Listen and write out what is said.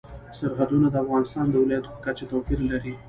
سرحدونه د افغانستان د ولایاتو په کچه توپیر لري.